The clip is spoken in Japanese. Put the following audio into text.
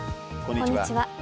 こんにちは。